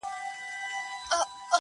نو یې ووېشل ډوډۍ پر قسمتونو-